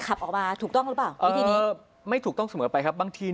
ครับ